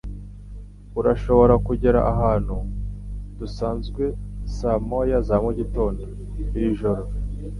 Urashobora kugera ahantu dusanzwe saa moya za mugitondo. iri joro?